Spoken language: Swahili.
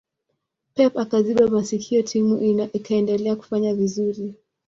pep akaziba masikio timu ikaendelea kufanya vizuri